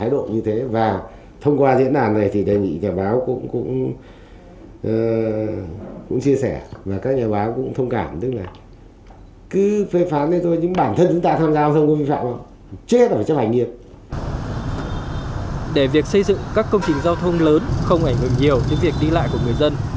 để việc xây dựng các công trình giao thông lớn không ảnh hưởng nhiều đến việc đi lại của người dân